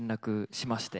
しました？